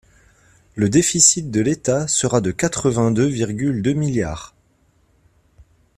Le déficit de l’État sera de quatre-vingt-deux virgule deux milliards.